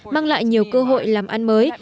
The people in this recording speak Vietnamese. mang lại nhiều cơ hội làm ăn mới